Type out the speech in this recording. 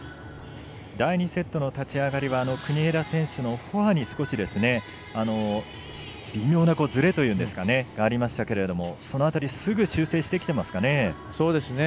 第２セットの立ち上がりは国枝選手のフォアに少し微妙なズレがありましたがその辺りすぐ修正してきてますかね。